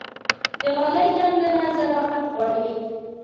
د غالۍ ګنډنه ظرافت غواړي.